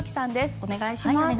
お願いします。